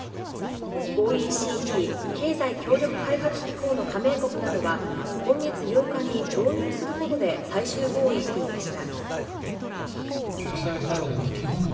ＯＥＣＤ＝経済協力開発機構の加盟国などは今月８日に導入することで最終合意していました。